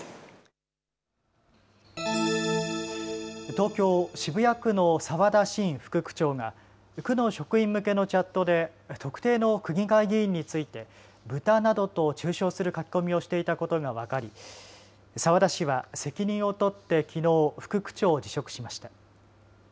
東京渋谷区の澤田伸副区長が区の職員向けのチャットで特定の区議会議員についてブタなどと中傷する書き込みをしていたことが分かり、澤田氏は責任を取って、きのう副区長を辞職しました。